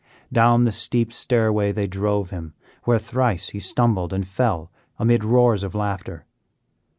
Down the steep stairway they drove him, where thrice he stumbled and fell amid roars of laughter.